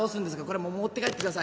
これ持って帰ってくださいね。